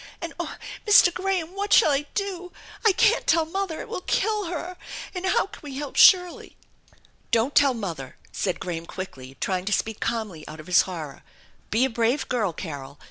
And oh, Mr. Graham, what shall I do? I can't tell mother. It will kill her, and how can we help Shirley?" "Don't tell mother," said Graham quickly, trying to speak calmly out of his horror. "Be a brave girl, Carol.